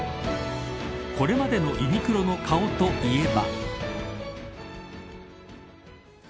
これまでのユニクロの顔といえば。